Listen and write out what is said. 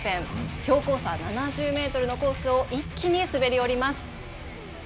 標高差７０メートルのコースを一気に滑り降ります。